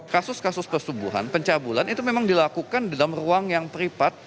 kasus kasus kesubuhan pencabulan itu memang dilakukan dalam ruang yang pripat